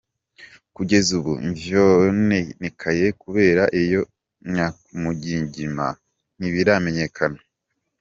Kugeza ubu ivyononekaye kubera iyo nyamugigima ntibiramenyekana.